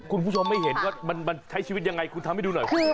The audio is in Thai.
คุณผู้ชมไม่เห็นว่ามันใช้ชีวิตยังไงคุณทำให้ดูหน่อย